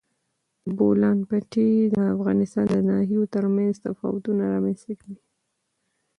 د بولان پټي د افغانستان د ناحیو ترمنځ تفاوتونه رامنځ ته کوي.